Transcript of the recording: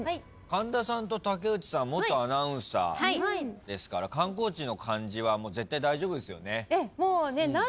神田さんと竹内さんは元アナウンサーですから観光地の漢字は絶対大丈夫ですよね？